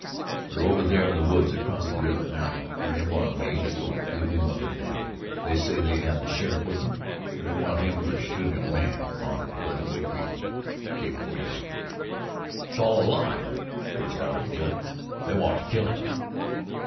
"They're over there in the woods across the river NOW and they want me to give him up to them. They say they have the sheriff with them and they want him for shooting a man on Leatherwood Creek, day before yesterday." "It's all a lie," burst out old Judd. "They want to kill him."